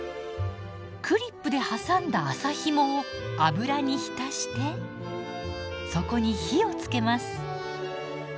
クリップで挟んだ麻ひもを油に浸してそこに火をつけます。